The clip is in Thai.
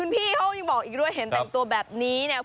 พี่ก็ยังบอกอีกด้วยเห็นแบบนี้นะครับ